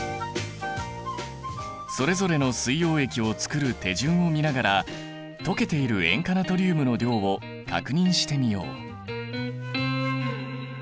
それぞれの水溶液をつくる手順を見ながら溶けている塩化ナトリウムの量を確認してみよう。